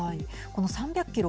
この３００キロ